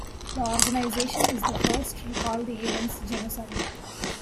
The organization is the first to call the events genocide.